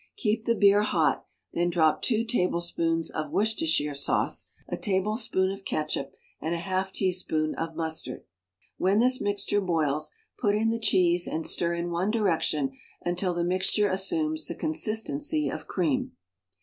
Keep the beer hot ; then drop two tablespoons of Worcestershire WRITTEN FOR MEN BY MEN sauce, a tablespoon of catsup and a half teaspoon of mus tard. When this mixture boils, put in the cheese and stir in one direction until the mixture assumes the con sistency of cream.